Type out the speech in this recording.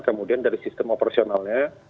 kemudian dari sistem operasionalnya